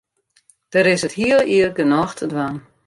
Der is it hiele jier genôch te dwaan.